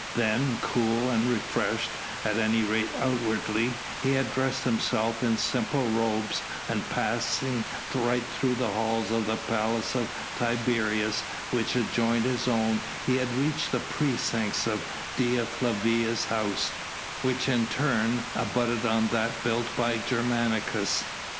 Then, cool and refreshed at any rate outwardly he had dressed himself in simple robes, and passing right through the halls of the Palace of Tiberius which adjoined his own, he had reached the precincts of Dea Flavia's house, which in its turn abutted on that built by Germanicus.